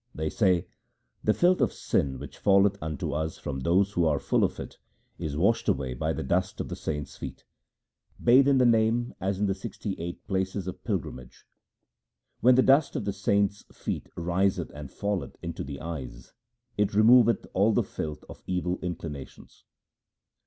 They say ' The filth of sin which falleth into us from those who are full of it, is washed away by the dust of the saints' feet.' Bathe in the Name as in the sixty eight places of pil grimage. When the dust of the saints' feet riseth and falleth into the eyes, it removeth all the filth of evil inclinations.